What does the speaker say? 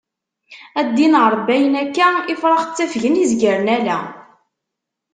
A ddin Ṛebbi ayen akka ifrax ttafgen izgaren ala.